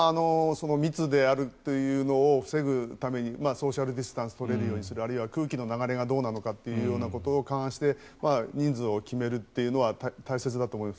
密であるというのを防ぐためにソーシャル・ディスタンスが取れるようにするあるいは空気の流れがどうなのかというところを勘案して人数を決めるというのは大切だと思います。